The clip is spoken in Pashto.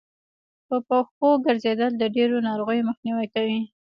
په پښو ګرځېدل د ډېرو ناروغيو مخنیوی کوي